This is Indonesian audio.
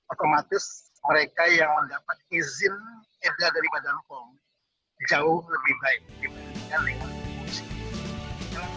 otomatis mereka yang mendapat izin edar dari badan pong jauh lebih baik dibandingkan dengan isi ulang